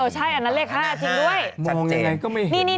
ใช่อันนั้นเลข๕จริงด้วย